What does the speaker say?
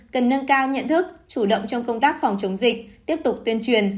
cần nâng cao nhận thức chủ động trong công tác phòng chống dịch tiếp tục tuyên truyền